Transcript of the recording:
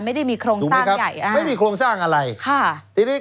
ไม่ได้ครงสร้างใหญ่